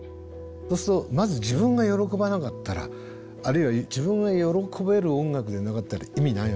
そうするとまず自分が喜ばなかったらあるいは自分が喜べる音楽でなかったら意味ないわけですよ。